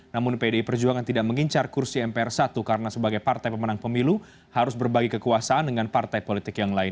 namun pdi perjuangan tidak mengincar kursi mpr satu karena sebagai partai pemenang pemilu harus berbagi kekuasaan dengan partai politik yang lain